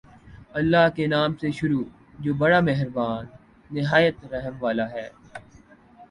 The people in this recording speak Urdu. اللہ کے نام سے شروع جو بڑا مہربان نہایت رحم والا ہے